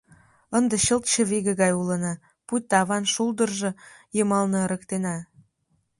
Ынде чылт чывиге гай улына, пуйто аван шулдыржо йымалне ырыктена.